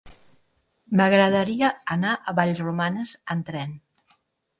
M'agradaria anar a Vallromanes amb tren.